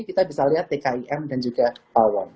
kita bisa lihat tkim dan juga pawon